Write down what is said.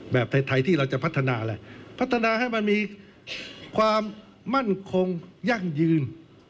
แบบไทยที่เราจะพัฒนาอะไรพัฒนาให้มันมีความมั่นคงยั่งยืน